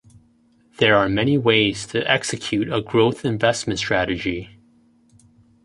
There are many ways to execute a growth investment strategy.